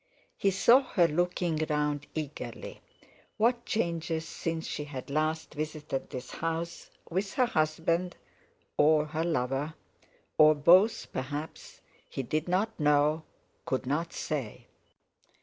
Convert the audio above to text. He saw her looking round eagerly; what changes since she had last visited this house with her husband, or her lover, or both perhaps—he did not know, could not say!